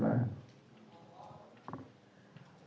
assalamu'alaikum warahmatullahi wabarakatuh